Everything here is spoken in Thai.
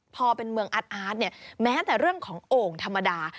พอเป็นเมืองอาร์ตเนี่ยแม้แต่เรื่องของโอ่งธรรมดา